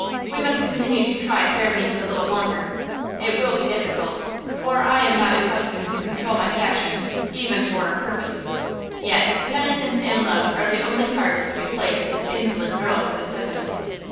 We must continue to try fair means a little longer. It will be difficult, for I am not accustomed to control my passions, even for a purpose–yet, penitence and love are the only cards to be played to this insolent girl for the present.